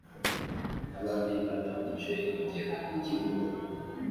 n abandi batangije ibigega ikigo